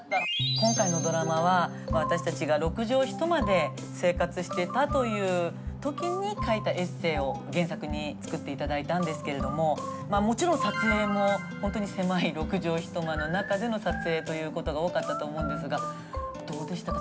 今回のドラマは私たちが６畳一間で生活していたという時に書いたエッセイを原作に作って頂いたんですけれどももちろん撮影も本当に狭い６畳一間の中での撮影ということが多かったと思うんですがどうでしたか？